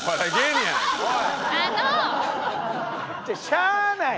しゃあない！